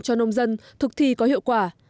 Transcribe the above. cho nông dân thực thi có hiệu quả